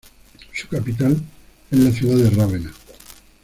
Su capital es la ciudad de Rávena.